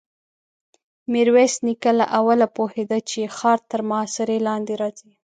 ميرويس نيکه له اوله پوهېده چې ښار تر محاصرې لاندې راځي.